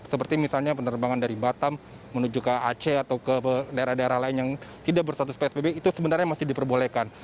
seperti misalnya penerbangan dari batam menuju ke aceh atau ke daerah daerah lain yang tidak berstatus psbb itu sebenarnya masih diperbolehkan